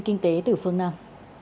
kinh tế từ phương nam